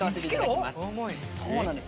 そうなんです。